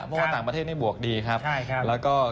เพราะว่าต่างประเทศนี่บวกดีครับแล้วก็